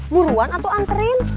buruan atuh anterin